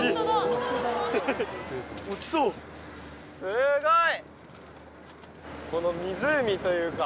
すごい！